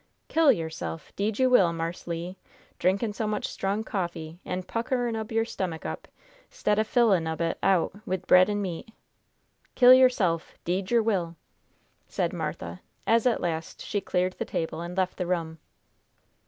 "Kill yerself! 'Deed you will, Marse Le! Drinkin' so much strong coffee an' a puckerin' ob yer stummick up, 'stead o' fillin' ob it out wid bread and meat! Kill yerse'f! 'Deed yer will!" said Martha, as at last she cleared the table and left the room.